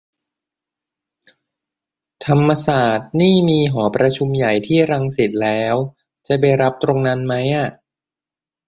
ธรรมศาสตร์นี่มีหอประชุมใหญ่ที่รังสิตแล้ว จะไปรับตรงนั้นไหมอะ